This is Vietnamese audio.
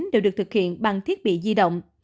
đều được thực hiện bằng thiết bị di động